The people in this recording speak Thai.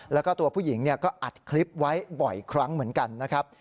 แล้วก็ตัวผู้หญิงก็อัดคลิปไว้บ่อยครั้งเหมือนกันนะครับ